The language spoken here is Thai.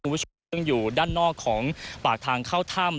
คุณผู้ชมซึ่งอยู่ด้านนอกของปากทางเข้าถ้ำ